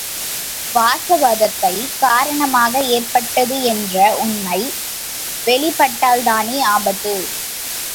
வாசவதத்தை காரணமாக ஏற்பட்டது என்ற உண்மை வெளிப்பட்டால்தானே ஆபத்து?